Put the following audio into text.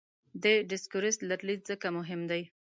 د ډسکورس لرلید ځکه مهم دی.